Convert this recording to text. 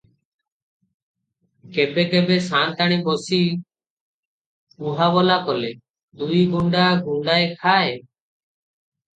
କେବେ କେବେ ସାଆନ୍ତାଣୀ ବସି କୁହାବୋଲା କଲେ ଦୁଇଗୁଣ୍ତା ଗୁଣ୍ତାଏ ଖାଏ ।